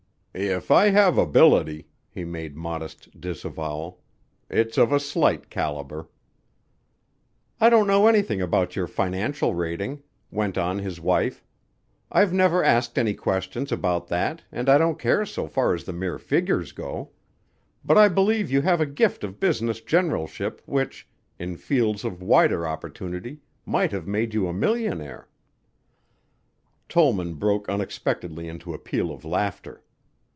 "If I have ability," he made modest disavowal, "it's of a slight caliber." "I don't know anything about your financial rating," went on his wife. "I've never asked any questions about that and I don't care so far as the mere figures go. But I believe you have a gift of business generalship which, in fields of wider opportunity, might have made you a millionaire." Tollman broke unexpectedly into a peal of laughter.